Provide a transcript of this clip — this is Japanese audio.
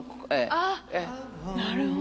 あなるほど。